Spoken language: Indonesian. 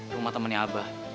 rumah temennya abah